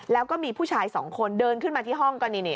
แล้วก็มีผู้ชายสองคนเดินขึ้นมาที่ห้องก็นี่